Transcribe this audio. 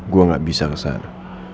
gue gak bisa kesana